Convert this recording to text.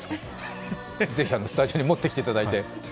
ぜひスタジオに持ってきていただいて。